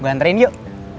gue hantarin yuk